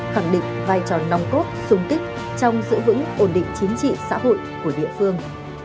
khẳng định vai trò nòng cốt sung kích trong giữ vững ổn định chính trị xã hội của địa phương